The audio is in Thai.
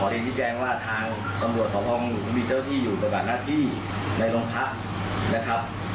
ที่แจ้งว่าทางตำรวจสะพองมีเจ้าที่อยู่ประมาณหน้าที่ในรงพักนะครับ